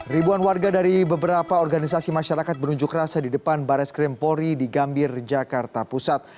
ribuan warga dari beberapa organisasi masyarakat berunjuk rasa di depan bares krim polri di gambir jakarta pusat